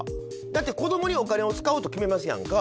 だって子どもにお金を使うと決めますやんか、